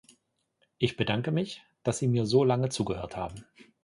Ich bedanke mich, dass Sie mir so lange zugehört haben!